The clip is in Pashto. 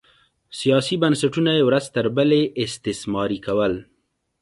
سیاسي بنسټونه یې ورځ تر بلې استثماري کول